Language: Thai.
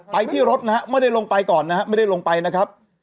ที่รถนะฮะไม่ได้ลงไปก่อนนะฮะไม่ได้ลงไปนะครับ